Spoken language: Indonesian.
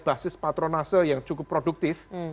basis patronase yang cukup produktif